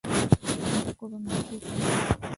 চিন্তা করো না, ঠিক আছে?